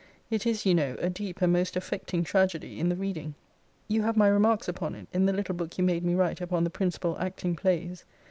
It is, you know, a deep and most affecting tragedy in the reading. You have my remarks upon it, in the little book you made me write upon the principal acting plays.